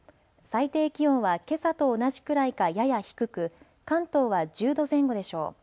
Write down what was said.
最低気温はけさと同じくらいかやや低く、関東は１０度前後でしょう。